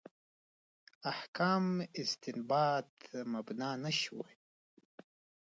احکام استنباط مبنا نه شوي.